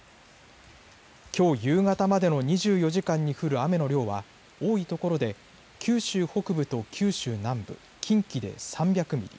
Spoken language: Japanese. きょう夕方までの２４時間に降る雨の量は多いところで、九州北部と九州南部、近畿で３００ミリ